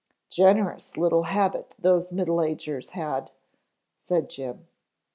"Generous little habit those middle agers had," said Jim.